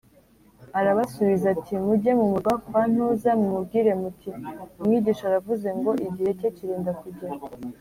Arabasubiza ati “Mujye mu murwa kwa ntuza, mumubwire muti ‘Umwigisha aravuze ngo igihe cye kirenda kugera